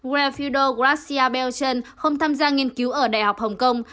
wilfrido garcia belchon không tham gia nghiên cứu ở đại học hồng kông